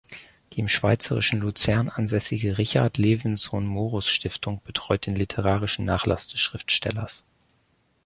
Die im schweizerischen Luzern ansässige Richard Lewinsohn-Morus-Stiftung betreut den literarischen Nachlass des Schriftstellers.